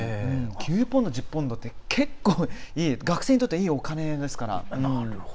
９ポンド１０ポンドって結構学生にとってはいいお金ですから。